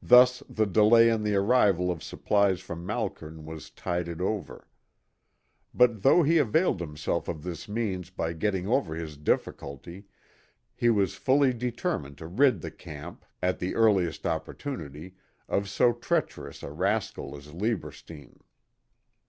Thus the delay in the arrival of supplies from Malkern was tided over. But though he availed himself of this means of getting over his difficulty he was fully determined to rid the camp, at the earliest opportunity, of so treacherous a rascal as Lieberstein.